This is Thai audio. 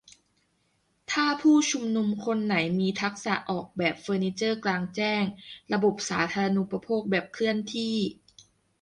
ถ้าผู้ชุมนุมคนไหนมีทักษะออกแบบเฟอร์นิเจอร์กลางแจ้ง-ระบบสาธารณูปโภคแบบเคลื่อนที่